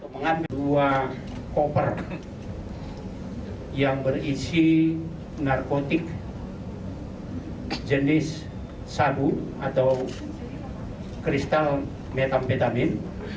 mengambil dua koper yang berisi narkotik jenis sabu atau kristal metamfetamin